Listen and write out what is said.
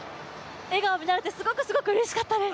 笑顔を見れてすごくうれしかったです。